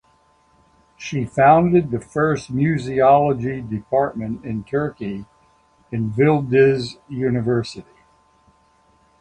She founded the first Museology department in Turkey in Yildiz University.